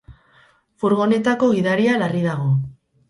Furgonetako gidaria larri dago.